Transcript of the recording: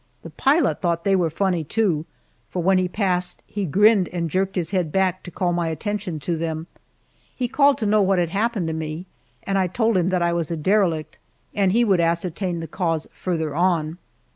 The pilot thought they were funny, too, for when he passed he grinned and jerked his head back to call my attention to them. He called to know what had happened to me, and I told him that I was a derelict, and he would ascertain the cause farther on.